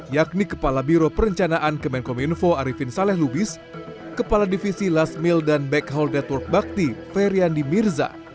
yakni kepala biro perencanaan kemenkom info arifin saleh lubis kepala divisi last mail dan backhaul network bakti feryandi mirza